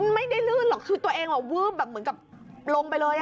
ไม่ได้ลื่นหรอกคือตัวเองเหมือนกันวื้บลงไปเลย